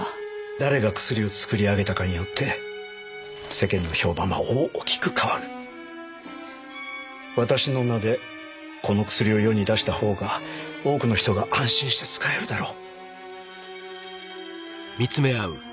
誰が薬を作り上げたかによって世間の評判は大きく変わる私の名でこの薬を世に出したほうが多くの人が安心して使えるだろう